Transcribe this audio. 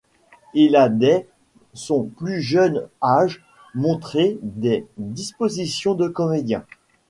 Il a dès son plus jeune âge montré des dispositions de comédien.